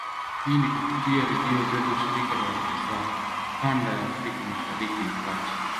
Hii ni kupitia redio zetu shirika za kanda ya Afrika Mashariki na Kati